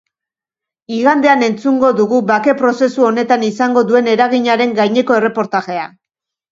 Igandean entzungo dugu bake prozesu honetan izango duen eraginaren gaineko erreportajea.